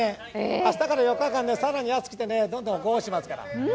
明日から４日間、更に安くて、どんどんご奉仕しますから。